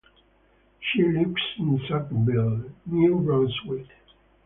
She lives in Sackville, New Brunswick.